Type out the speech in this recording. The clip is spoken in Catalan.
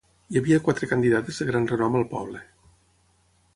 Hi havia quatre candidates de gran renom al poble.